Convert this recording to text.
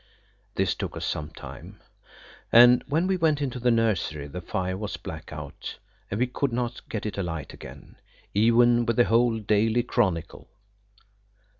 This took us some time, and when we went into the nursery the fire was black out, and we could not get it alight again, even with the whole Daily Chronicle.